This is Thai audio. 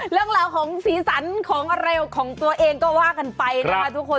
เรื่องราวของสีสันของอะไรของตัวเองก็ว่ากันไปนะคะทุกคน